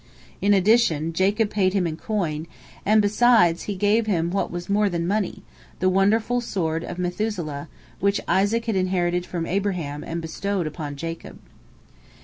In addition, Jacob paid him in coin, and, besides, he gave him what was more than money, the wonderful sword of Methuselah, which Isaac had inherited from Abraham and bestowed upon Jacob.